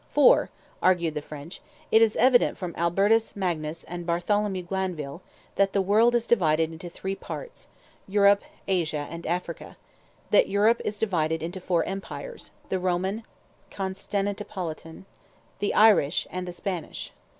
For," argued the French, "it is evident from Albertus Magnus and Bartholomew Glanville, that the world is divided into three parts, Europe, Asia, and Africa;—that Europe is divided into four empires, the Roman, Constantinopolitan, the Irish, and the Spanish."